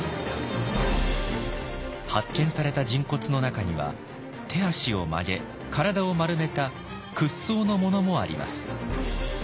発見された人骨の中には手足を曲げ体を丸めた「屈葬」のものもあります。